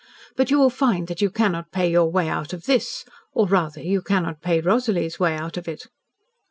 But you will find that you cannot pay your way out of this or rather you cannot pay Rosalie's way out of it."